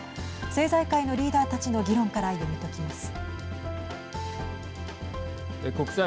政財界のリーダーたちの議論から読み解きます。